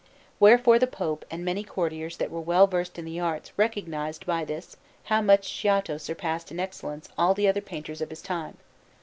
Wherefore the Pope and many courtiers that were versed in the arts recognized by this how much Giotto surpassed in excellence all the other painters of his time.